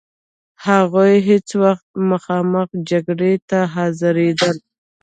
هغوی هیڅ وخت مخامخ جګړې ته حاضرېدل.